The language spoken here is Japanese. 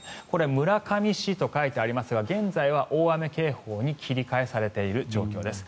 村上市と書いてありますが現在は大雨警報に切り替えられている状況です。